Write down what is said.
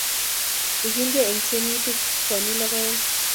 Ikilgei eng tiemutik pwoni logoek